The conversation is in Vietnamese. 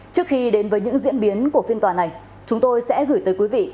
trước khi đến với những diễn biến của phiên tòa này chúng tôi sẽ gửi tới quý vị